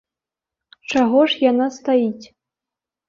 Чаго ж яна стаіць?